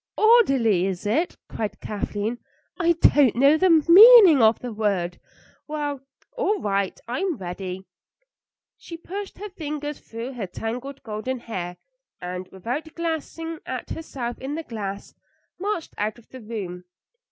"Orderly, is it?" cried Kathleen. "I don't know the meaning of the word. Well, all right, I'm ready." She pushed her fingers through her tangled golden hair, and, without glancing at herself in the glass, marched out of the room.